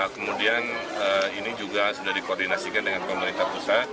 kemudian ini juga sudah dikoordinasikan dengan pemerintah pusat